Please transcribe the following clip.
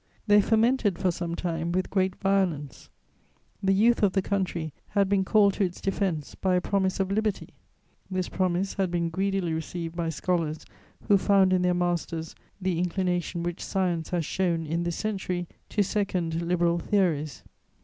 They fomented for some time with great violence: the youth of the country had been called to its defense by a promise of liberty; this promise had been greedily received by scholars who found in their masters the inclination which science has shown, in this century, to second liberal theories.